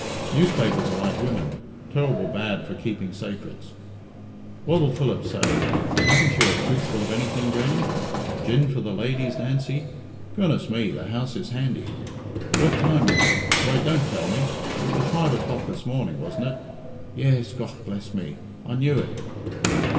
Newspapers are like women ter'ble bad for keeping sacrets. What'll Philip say? But haven't you a toothful of anything, Grannie? Gin for the ladies, Nancy. Goodness me, the house is handy. What time was it? Wait, don't tell me! It was five o'clock this morning, wasn't it? Yes? Gough bless me, I knew it!